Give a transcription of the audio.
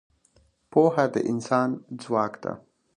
پوهه د انسان ځواک ده.